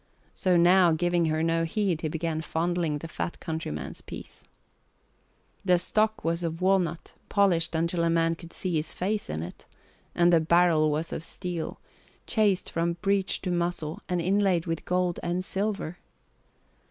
So now, giving her no heed, he began fondling the fat countryman's piece. The stock was of walnut, polished until a man could see his face in it, and the barrel was of steel chased from breech to muzzle and inlaid with gold and silver.